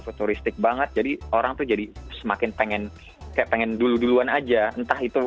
futuristik banget jadi orang tuh jadi semakin pengen kayak pengen dulu duluan aja entah itu